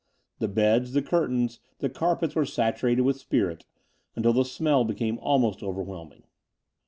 The beds, the curtains, the carpets were saturated with spirit imtil the smell became almost overwhelming.